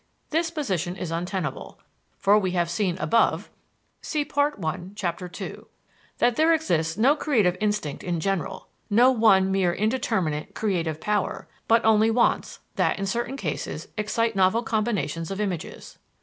This position is untenable. For we have seen above that there exists no creative instinct in general, no one mere indeterminate "creative power," but only wants that, in certain cases, excite novel combinations of images.